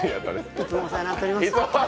いつもお世話になっております。